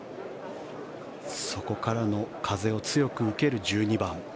そこからの風を強く受ける１２番。